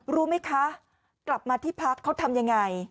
รู้ไหมคะกลับมาที่พักเขาทำยังไง